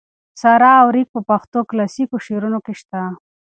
صحرا او ریګ په پښتو کلاسیکو شعرونو کې شته.